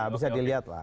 bisa dilihat lah